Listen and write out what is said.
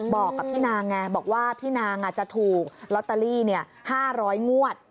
บอกกับพี่นางไงบอกว่าพี่นางจะถูกลอตเตอรี่๕๐๐งวด